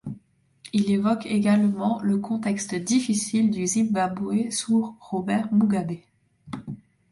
Il évoque également le contexte difficile du Zimbabwe sous Robert Mugabe.